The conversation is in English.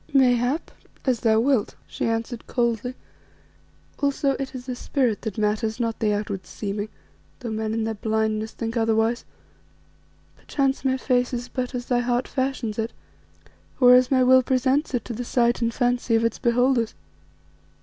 "Mayhap as thou wilt," she answered coldly; "also it is the spirit that matters, not the outward seeming, though men in their blindness think otherwise. Perchance my face is but as thy heart fashions it, or as my will presents it to the sight and fancy of its beholders.